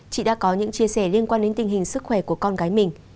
chị đã có những chia sẻ liên quan đến tình hình sức khỏe của con gái mình